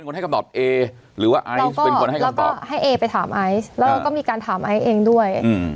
แล้วก็มีการถามอ้ายเองด้วย